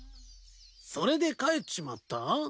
それで帰っちまった？